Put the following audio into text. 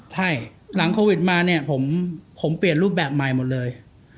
ใช่หลังโควิดมาเนี่ยผมเปลี่ยนรูปแบบใหม่หมดเลย